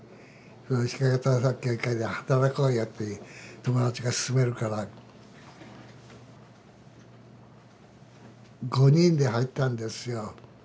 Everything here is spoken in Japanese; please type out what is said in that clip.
引揚対策協議会で働こうよって友達がすすめるから５人で入ったんですよ。